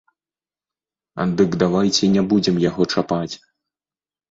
Дык давайце не будзем яго чапаць.